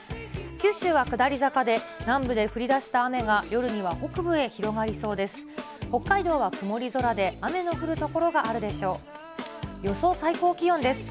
九州は下り坂で、南部で降りだした雨が、夜には北部へ広がりそうです。